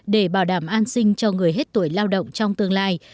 để bảo đảm an sinh cho người hết tuổi lao động trong tương lai